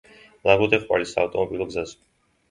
ლაგოდეხ–ყვარლის საავტომობილო გზაზე.